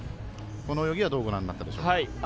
この泳ぎはどうご覧になったでしょうか？